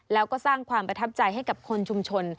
แล้วก็สร้างความประทับใจให้กับคนชุมชน